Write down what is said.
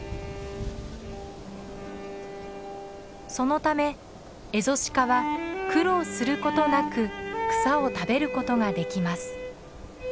そのためエゾシカは苦労することなく草を食べることができます。